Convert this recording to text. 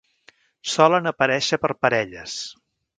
Solen aparèixer per parelles.